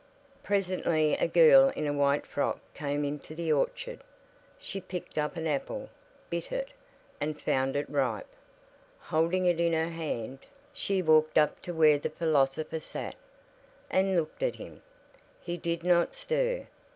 Presently a girl in a white frock came into the orchard. She picked up an apple, bit it, and found it ripe. Holding it in her hand, she walked up to where the philosopher sat, and looked at him. He did not stir.